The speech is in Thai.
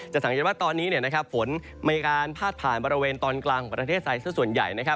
สังเกตว่าตอนนี้ฝนมีการพาดผ่านบริเวณตอนกลางของประเทศไทยซะส่วนใหญ่